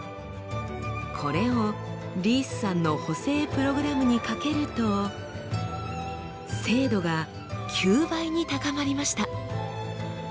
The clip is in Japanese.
これをリースさんの補正プログラムにかけると精度が９倍に高まりました。